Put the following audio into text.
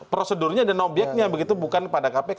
prosedurnya dan obyeknya begitu bukan pada kpk